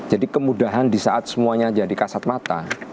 jadi kemudahan di saat semuanya jadi kasat mata